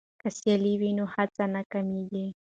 که سیالي وي نو هڅه نه کمېږي.